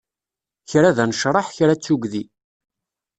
Kra d anecreḥ, kra d tugdi.